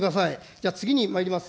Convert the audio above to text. じゃあ、次にまいります。